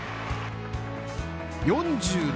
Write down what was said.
４６